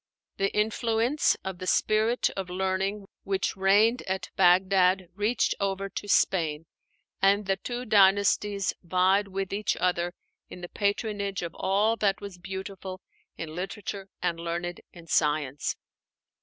The influence of the spirit of learning which reigned at Bagdad reached over to Spain, and the two dynasties vied with each other in the patronage of all that was beautiful in literature and learned in science.